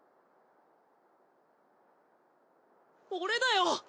俺だよ。